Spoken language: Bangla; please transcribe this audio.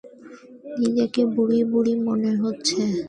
নিজেকে বুড়ি-বুড়ি মনে হচ্ছে।